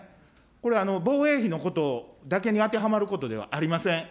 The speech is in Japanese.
これ、防衛費のことだけに当てはまることではありません。